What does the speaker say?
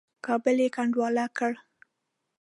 کابل یې کنډواله کړ.